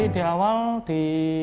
di awal di